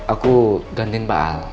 aku gantiin pak al